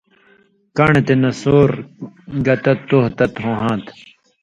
کن٘ڑہۡ تے نسور گتہ تُوہہۡ تت ہو ہاں تھہ۔